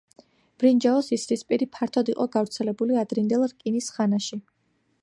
ბრინჯაოს ისრისპირი ფართოდ იყო გავრცელებული ადრინდელ რკინის ხანაში.